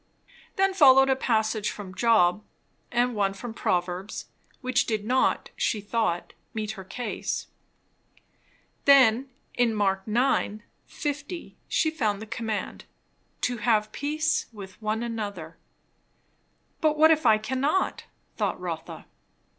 Then followed a passage from Job and one from Proverbs, which did not, she thought, meet her case. Then in Mark ix. 50 she found the command to "have peace one with another." But what if I cannot? thought Rotha.